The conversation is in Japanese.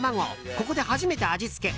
ここで初めて味付け。